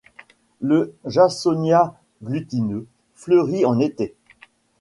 Le jasonia glutineux fleurit en été.